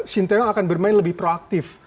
shin taeyong akan bermain lebih proaktif